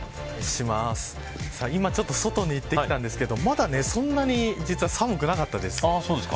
今、ちょっと外に行ってきたんですけど実はそんなに寒くなかったです。